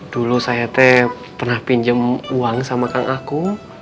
dulu saya pernah pinjam uang sama kak aku